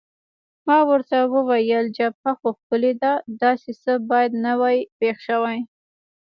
ما ورته وویل: جبهه خو ښکلې ده، داسې څه باید نه وای پېښ شوي.